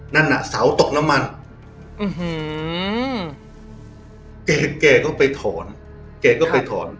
นั่นน่ะเสาตกน้ำมันแกแกก็ไปถอนแกก็ไปถอน